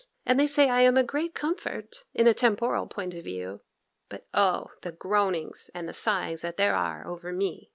And they say I am a great comfort in a temporal point of view; but oh! the groanings and the sighings that there are over me!